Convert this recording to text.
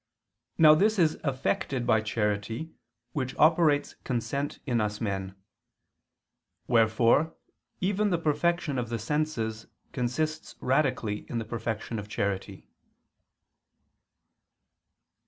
Now this is effected by charity which operates consent in us men. Wherefore even the perfection of the senses consists radically in the perfection of charity.